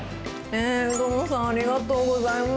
鵜殿さんありがとうございます！